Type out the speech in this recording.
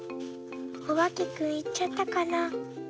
おばけくんいっちゃったかな？